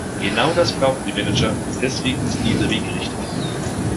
Genau das brauchen die Manager, und deswegen ist dieser Weg richtig.